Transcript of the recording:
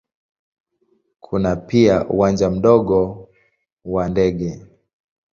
Kuna pia uwanja mdogo wa ndege.